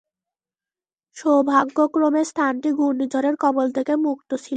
সৌভাগ্যক্রমে স্থানটি ঘূর্ণিঝড়ের কবল থেকে মুক্ত ছিল।